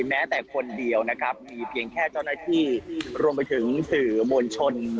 แม้แต่คนเดียวนะครับมีเพียงแค่เจ้าหน้าที่รวมไปถึงสื่อมวลชน